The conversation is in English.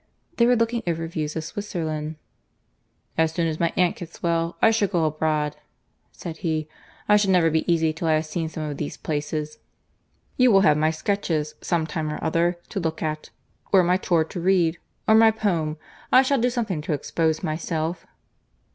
They were looking over views in Swisserland. "As soon as my aunt gets well, I shall go abroad," said he. "I shall never be easy till I have seen some of these places. You will have my sketches, some time or other, to look at—or my tour to read—or my poem. I shall do something to expose myself."